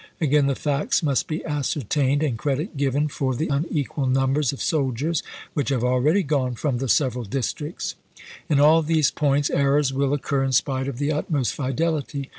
Again, the facts must be ascer tained, and credit given, for the unequal numbers of soldiers which have already gone from the sev eral districts. In all these points errors will occur in spite of the utmost fidelity.